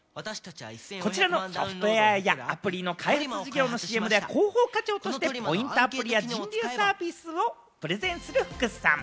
こちらのソフトウェアやアプリの開発事業のＣＭでは、広報課長としてポイントアプリや人流サービスをプレゼンする福さん。